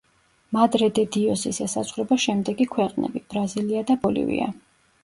მადრე-დე-დიოსის ესაზღვრება შემდეგი ქვეყნები: ბრაზილია და ბოლივია.